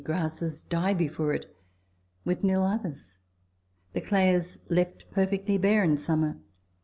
35 grasses die before it, with nil others. The clay is left perfectly bare in summer.